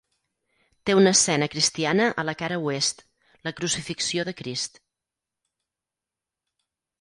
Té una escena cristiana a la cara oest: la crucifixió de Crist.